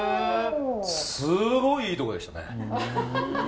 すごいいいとこでしたね。